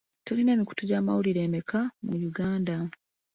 Tulina emikutu gy'amawulire emeka mu Uganda?